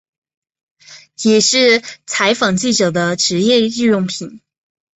也是采访记者的职业日用品。